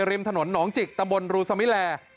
ริมถนนหนองจิกตะบนรูสมิแล